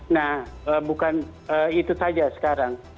nah bukan itu saja sekarang